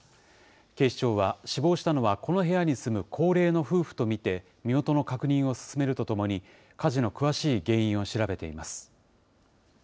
警視庁は、死亡したのはこの部屋に住む高齢の夫婦と見て、身元の確認を進めるとともに、火事の詳しい原因を調べています。